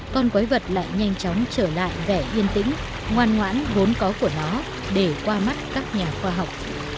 con quái vật lại nhanh chóng trở lại vẻ yên tĩnh ngoan ngoãn vốn có của nó để qua mắt các nhà khoa học